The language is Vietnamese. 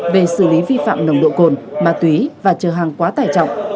về xử lý vi phạm nồng độ cồn ma túy và chờ hàng quá tài trọng